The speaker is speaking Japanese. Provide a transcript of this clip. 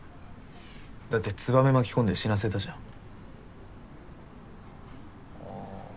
だってつばめ巻き込んで死なせたじゃあぁ